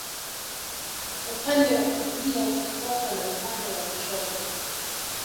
Upande wa kulia ukifuatwa na upande wa kushoto